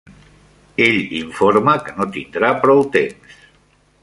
Ell informa que no tindrà prou temps.